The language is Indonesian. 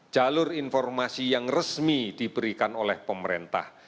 jalur informasi yang resmi diberikan oleh pemerintah